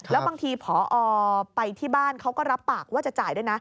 แล้วบางทีพอไปที่บ้านเขาก็รับปากว่าจะจ่ายด้วยนะ